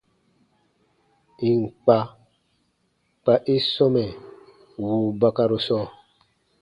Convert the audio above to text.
Ì n kpa, kpa i sɔmɛ wùu bakaru sɔɔ.